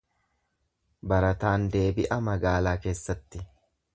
Barataan deebi'a magaalaa keessatti.